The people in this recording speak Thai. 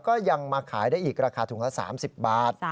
ก็ยังมาขายได้อีกราคาถุงละ๓๐บาท